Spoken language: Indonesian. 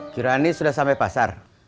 kirani sudah sampai pasar